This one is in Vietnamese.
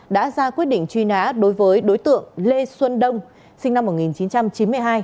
đã ra quyết định truy nã đối với đối tượng lê xuân đông sinh năm một nghìn chín trăm chín mươi hai